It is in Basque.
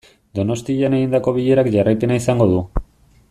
Donostian egindako bilerak jarraipena izango du.